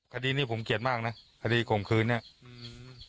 คดีนี้ผมเกลียดมากนะคดีข่มขืนเนี้ยอืม